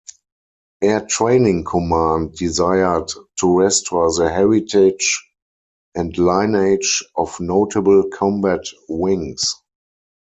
Air Training Command desired to restore the heritage and lineage of notable combat wings.